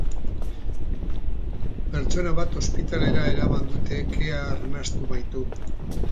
Pertsona bat ospitalera eraman dute kea arnastu baitu.